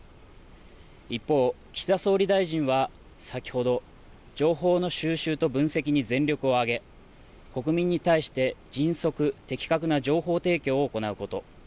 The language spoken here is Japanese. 一方、岸田総理大臣は先ほど情報の収集と分析に全力を挙げ、国民に対して迅速、的確な情報提供を行うこと